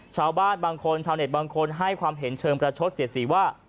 ชาวบ้านบางคนชาวเน็ตบางคนให้ความเห็นเชิงประชดเสียสีว่า